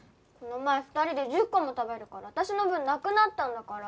この前２人で１０個も食べるから私の分なくなったんだから。